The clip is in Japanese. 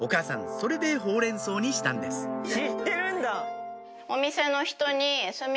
それでホウレンソウにしたんです知ってるんだ。